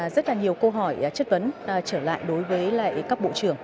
rất là nhiều câu hỏi chất vấn trở lại đối với lại các bộ trưởng